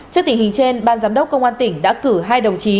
trước tình hình trên ban giám đốc công an tỉnh đã cử hai đồng chí